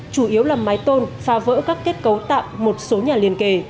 chủ yếu là mái tôn phá vỡ các kết cấu tạm một số nhà liên kề